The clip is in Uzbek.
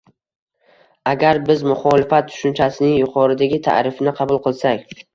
Agar biz “muxolifat” tushunchasining yuqoridagi ta’rifni qabul qilsak